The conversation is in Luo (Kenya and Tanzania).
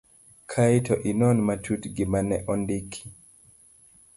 Kae to inon matut gima ne ondiki.